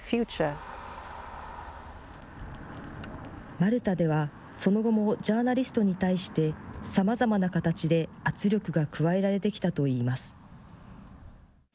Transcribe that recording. マルタでは、その後もジャーナリストに対して、さまざまな形で圧力が加えられてきたといいます。